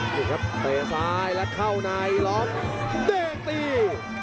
ตีซ้ายแล้วเข้าในล้อมเด้งตี